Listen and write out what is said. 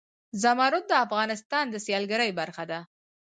زمرد د افغانستان د سیلګرۍ برخه ده.